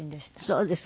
そうです。